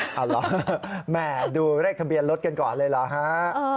เอาเหรอแม่ดูเลขทะเบียนรถกันก่อนเลยเหรอฮะ